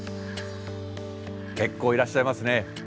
結構いらっしゃいますね。